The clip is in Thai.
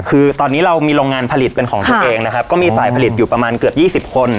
คือตอนนี้เรามีโรงงานผลิตเป็นของตัวเองนะครับก็มีฝ่ายผลิตอยู่ประมาณเกือบ๒๐คน